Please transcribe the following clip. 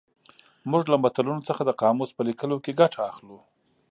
موږ له متلونو څخه د قاموس په لیکلو کې ګټه اخلو